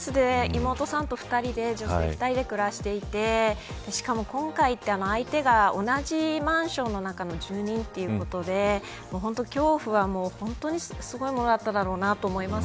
妹さんと女性２人で暮らしていてしかも今回、相手が同じマンションの中の住人ということで本当に恐怖はすごいものだっただろうなと思います。